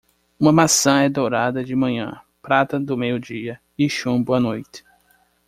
Uma maçã é dourada de manhã, prata do meio dia e chumbo à noite.